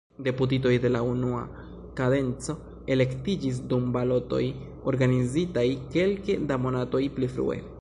Deputitoj de la unua kadenco elektiĝis dum balotoj organizitaj kelke da monatoj pli frue.